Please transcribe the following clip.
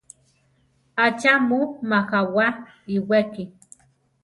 ¿Acha mu majawá iwéki?